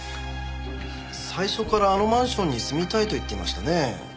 最初からあのマンションに住みたいと言っていましたね。